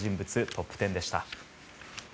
トップ１０でした。